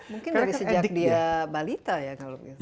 mungkin dari sejak dia balita ya kalau begitu